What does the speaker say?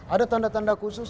ada tanda tanda khusus